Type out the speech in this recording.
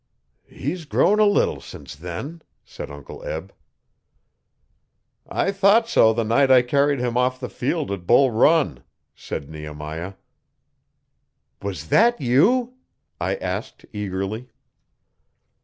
'He's grown a leetle since then,' said Uncle Eb. 'I thought so the night I carried him off the field at Bull Run,' said Nehemiah. 'Was that you?' I asked eagerly.